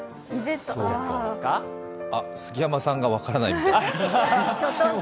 そうか杉山さんが分からないみたい。